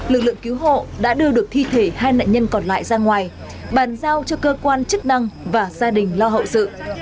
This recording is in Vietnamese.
lực lượng cứu hộ đã đưa được thi thể hai nạn nhân còn lại ra ngoài bàn giao cho cơ quan chức năng và gia đình lo hậu sự